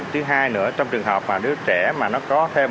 thứ hai nữa trong trường hợp đứa trẻ mà nó có thêm một cái mạng che trước mặt